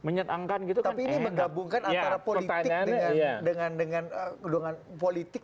pertananya menyenangkan gitu tapi ini menggabungkan antara politik dengan dengan dengan kedua politik